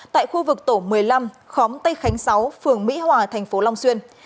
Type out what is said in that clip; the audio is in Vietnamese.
tại khu vực tổ một mươi năm khóm tây khánh sáu phường mỹ hòa thành phố long xuyên